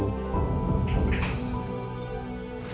saya ingin tahu lebih jauh